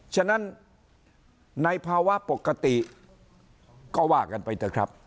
ฉะนั้นในภาวะปกติก็ว่ากันไปเถอะครับ